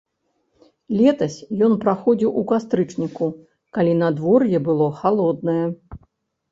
Летась ён праходзіў у кастрычніку, калі надвор'е было халоднае.